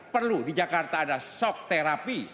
perlu di jakarta ada shock therapy